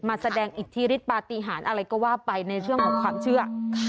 มาแสดงอิทธิฤทธปฏิหารอะไรก็ว่าไปในช่วงของความเชื่อ